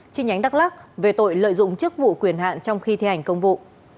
chi nhánh đắk lắc về tội lợi dụng chức vụ quyền hạn trong khi thi hành công vụ